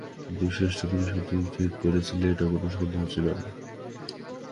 কিন্তু শেষটা তুমি সঠিক করেছিলে এতে কোনো সন্দেহ ছিল না।